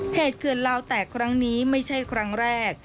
เขื่อนลาวแตกครั้งนี้ไม่ใช่ครั้งแรก